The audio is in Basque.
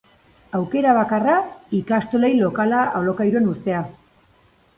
Aukera bakarra, ikastolei lokala alokairuan uztea.